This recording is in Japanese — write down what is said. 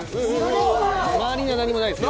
周りには何もないですよ。